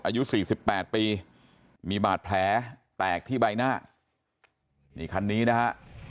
อายุ๔๘ปีมีบาดแผลแตกที่ใบหน้านี่คันนี้นะฮะ